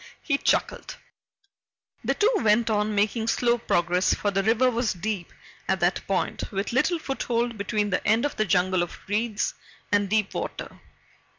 he chuckled. The two went on, making slow progress, for the river was deep at that point, with little foothold between the end of the jungle of reeds and deep water.